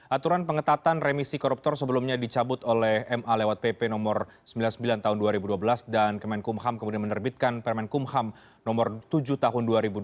aturan pengetatan remisi koruptor sebelumnya dicabut oleh ma lewat pp no sembilan puluh sembilan tahun dua ribu dua belas dan kemenkumham kemudian menerbitkan permen kumham nomor tujuh tahun dua ribu dua puluh